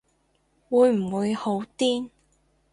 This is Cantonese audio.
會唔會好癲